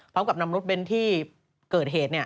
แล้วกับนำรถเบนที่เกิดเหตุ